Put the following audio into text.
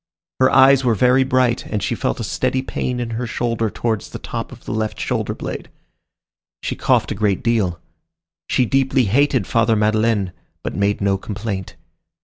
Her eyes were very bright, and she felt a steady pain in her shoulder towards the top of the left shoulder blade. She coughed a great deal. She deeply hated Father Madeleine, but made no complaint.